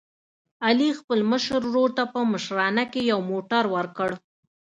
علي خپل مشر ورور ته په مشرانه کې یو موټر ور کړ.